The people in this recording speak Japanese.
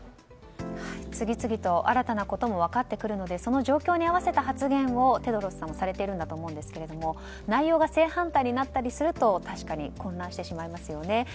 次々と新たなことも分かってくるのでその状況に合わせた発言をテドロスさんはされているんだと思いますが内容が正反対になったりすると確かに混乱してしまいますよね。